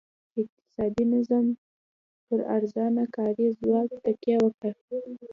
اقتصادي نظام پر ارزانه کاري ځواک تکیه وکړه.